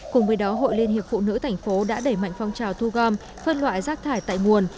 cùng với đó hội liên hiệp phụ nữ thành phố đã đẩy mạnh phong trào thu gom phân loại rác thải tại nguồn